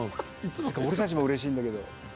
俺たちもうれしいんだけど。